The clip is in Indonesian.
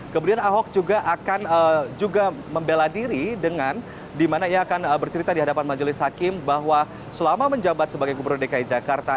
kemudian ahok juga akan juga membela diri dengan di mana ia akan bercerita di hadapan majelis hakim bahwa selama menjabat sebagai gubernur dki jakarta